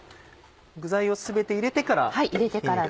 具材を全て入れてから。